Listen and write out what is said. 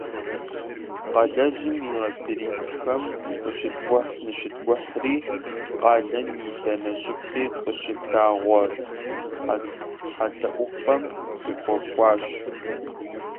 Къалэжьым и лабиринтхэм къыщыткӏухьщ ныщыткӀухьри, къалэм и дэнэ щӀыпӀи къыщылъагъуэ тхьэлъэӏупӏэм дыхуэкӀуащ.